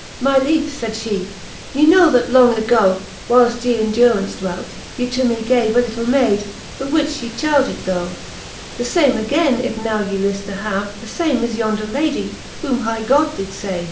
My liefe, faid fhe, ye know, that long ygo, Whylefl ye in durance dwelt, ye to me gave A little mayde, the which ye chylded tho ; The fame againe if now ye lift to have, The fame is yonder Lady, whom high God did fave.